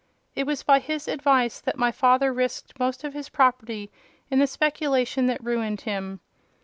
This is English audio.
It was by his advice that my father risked most of his property in the speculation that ruined him.